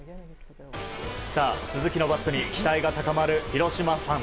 さあ、鈴木のバットに期待が高まる広島ファン。